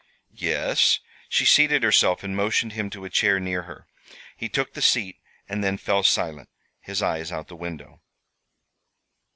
"Yes?" She seated herself and motioned him to a chair near her. He took the seat, and then fell silent, his eyes out the window.